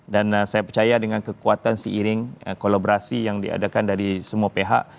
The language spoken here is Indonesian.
dan saya percaya dengan kekuatan seiring kolaborasi yang diadakan dari semua pihak